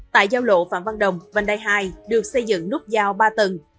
tại giao lộ phạm văn đồng vành đai hai được xây dựng nút giao ba tầng